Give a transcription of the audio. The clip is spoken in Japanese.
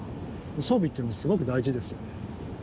装備っていうのはすごく大事ですよね。